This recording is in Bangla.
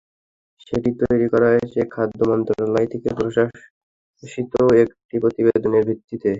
সেটি তৈরি করা হয়েছে খাদ্য মন্ত্রণালয় থেকে প্রকাশিত একটি প্রতিবেদনের ভিত্তিতে।